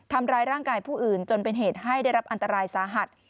ทำร้ายร่างกายผู้อื่นจนเป็นเหตุให้ได้รับอันตรายสาหัส